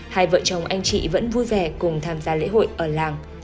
hai vợ chồng anh chị vẫn vui vẻ cùng tham gia lễ hội ở làng